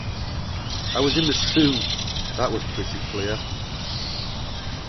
I was in the soup — that was pretty clear.